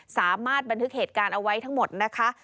สามารถบันทึกเหตุการณ์เอาไว้ทั้งหมดนะคะ